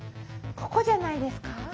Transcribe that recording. ここじゃないですか？